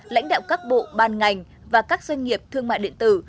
lãnh đạo các bộ ban ngành và các doanh nghiệp thương mại điện tử